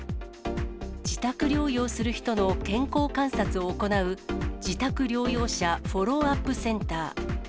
自宅療養する人の健康観察を行う、自宅療養者フォローアップセンター。